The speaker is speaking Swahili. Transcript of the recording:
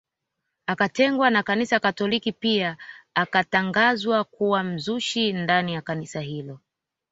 Akatengwa na kanisa katoliki pia akatangazwa kuwa mzushi ndani ya kanisa hilo